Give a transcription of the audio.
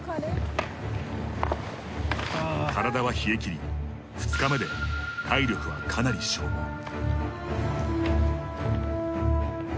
体は冷え切り２日目で体力はかなり消耗。